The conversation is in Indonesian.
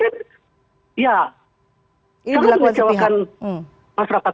oleh karenanya oleh karenanya memang sangat mengecewakan rakyat papua apalagi majelis rakyat